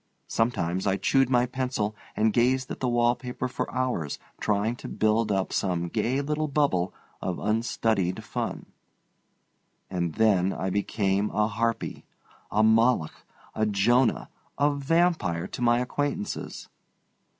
Sometimes I chewed my pencil and gazed at the wall paper for hours trying to build up some gay little bubble of unstudied fun. And then I became a harpy, a Moloch, a Jonah, a vampire, to my acquaintances.